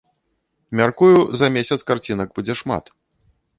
Мяркую, за месяц карцінак будзе шмат.